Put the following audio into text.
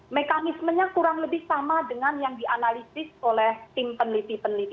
mekanismenya kurang lebih sama dengan yang dianalisis oleh tim peneliti peneliti